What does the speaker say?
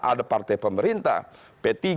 ada partai pemerintah p tiga